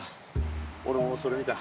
俺もそれ見た。